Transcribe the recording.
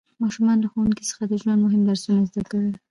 ماشومان له ښوونکي څخه د ژوند مهم درسونه زده کوي